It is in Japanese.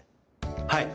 はい。